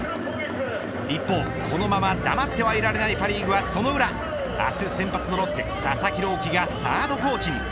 一方、このまま黙っていられないパ・リーグはその裏明日先発のロッテ佐々木朗希がサードコーチに。